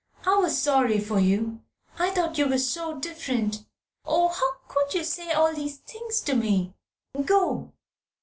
I was sorry for you. I thought you were so different. Oh, how could you say these things to me? Go!"